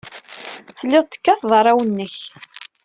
Telliḍ tekkateḍ arraw-nnek.